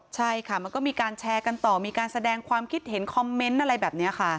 ใช่ค่ะมันก็มีการแชร์กันต่อมีการแสดงความคิดเห็นคอมเมนต์อะไรแบบนี้ค่ะ